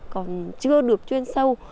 còn chưa được chuyên sâu